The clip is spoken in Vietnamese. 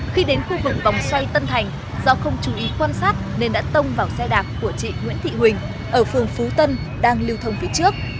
khi đến khu vực vòng xoay tân thành do không chú ý quan sát nên đã tông vào xe đạp của chị nguyễn thị huỳnh ở phường phú tân đang lưu thông phía trước